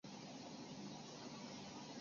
是桂林市重点中学之一。